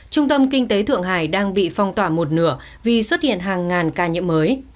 trung tâm kinh tế thượng hải đang bị phong tỏa một nửa vì xuất hiện hàng ngàn ca nhiễm mới